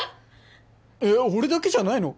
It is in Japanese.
えっ俺だけじゃないの？